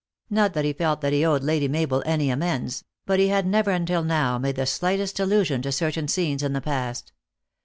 Not that he felt that he owed Lady Mabel any amends. But he had never until now made the slightest allusion to certain scenes in the past.